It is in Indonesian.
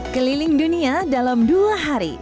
keliling dunia dalam dua hari